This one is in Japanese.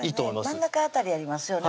真ん中辺りありますよね